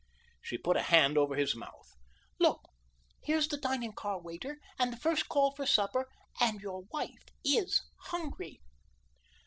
She put a hand over his mouth. "Look, here's the dining car waiter, and the first call for supper, and your wife is hungry."